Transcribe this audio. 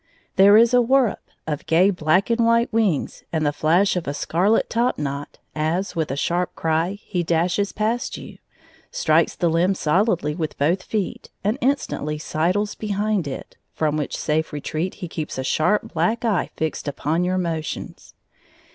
There is a whur r rp of gay black and white wings and the flash of a scarlet topknot as, with a sharp cry, he dashes past you, strikes the limb solidly with both feet, and instantly sidles behind it, from which safe retreat he keeps a sharp black eye fixed upon your motions.